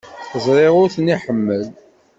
Ẓriɣ ur ten-iḥemmel.